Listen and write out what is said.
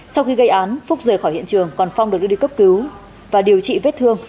sau khi gây án phúc rời khỏi hiện trường còn phong được đưa đi cấp cứu và điều trị vết thương